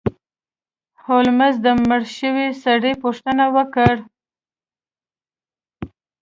هولمز د مړ شوي سړي پوښتنه وکړه.